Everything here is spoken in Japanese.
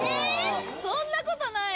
そんなことない！